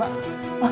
pak maaf mbak